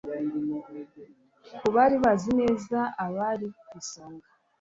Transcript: ku bari bazi neza abari ku isonga